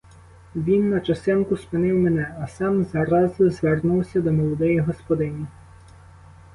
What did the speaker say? Він на часинку спинив мене, а сам зразу звернувся до молодої господині.